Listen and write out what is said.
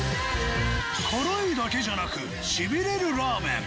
辛いだけじゃなくシビレるラーメン